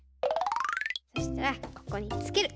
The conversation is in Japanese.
そしたらここにつける。